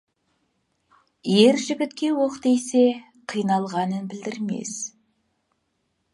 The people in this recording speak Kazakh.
Ер жігітке оқ тисе, қиналғанын білдірмес.